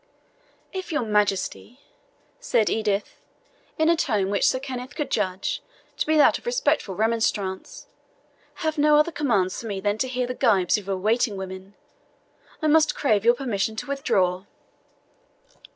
"If your Majesty," said Edith, in a tone which Sir Kenneth could judge to be that of respectful remonstrance, "have no other commands for me than to hear the gibes of your waiting women, I must crave your permission to withdraw."